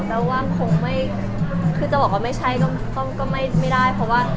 แต่ว่าคงไม่คือจะบอกว่าไม่ใช่ก็ไม่ได้